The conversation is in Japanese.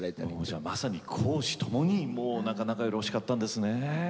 じゃあまさに公私ともにもう仲がよろしかったんですね。